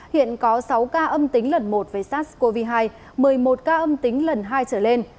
hiện có sáu ca âm tính lần một với sars cov hai một mươi một ca âm tính lần hai trở lên